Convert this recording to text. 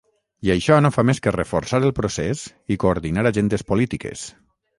I això no fa més que reforçar el procés i coordinar agendes polítiques.